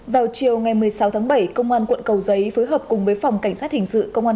vào chiều ngày một mươi sáu tháng bảy công an quận cầu giấy phối hợp cùng với phòng cảnh sát hình sự công an